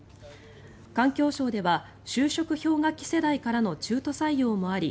環境省では就職氷河期世代からの中途採用もあり